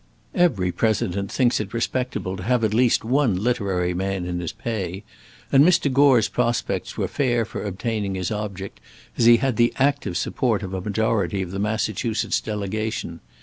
Every President thinks it respectable to have at least one literary man in his pay, and Mr. Gore's prospects were fair for obtaining his object, as he had the active support of a majority of the Massachusetts delegation.